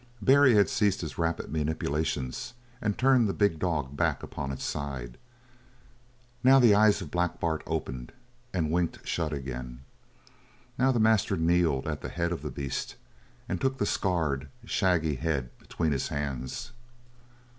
Barry had ceased his rapid manipulations, and turned the big dog back upon its side. Now the eyes of Black Bart opened, and winked shut again. Now the master kneeled at the head of the beast and took the scarred, shaggy head between his hands.